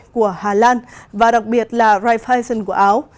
của hà lan và đặc biệt là raifice của áo